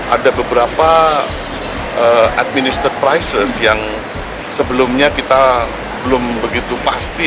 ada beberapa administrate crisis yang sebelumnya kita belum begitu pasti